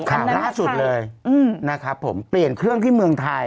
ข่าวล่าสุดเลยนะครับผมเปลี่ยนเครื่องที่เมืองไทย